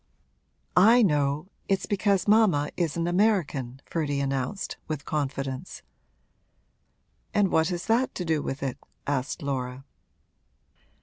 'I know it's because mamma is an American!' Ferdy announced, with confidence. 'And what has that to do with it?' asked Laura.